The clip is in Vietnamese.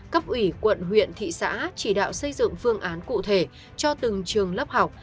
cấp ủy quận huyện thị xã chỉ đạo xây dựng phương án cụ thể cho từng trường lớp học